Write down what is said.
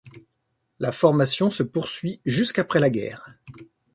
La formation se poursuit jusqu’après la guerre.